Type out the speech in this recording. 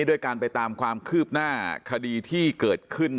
ด้วยการไปตามความคืบหน้าคดีที่เกิดขึ้น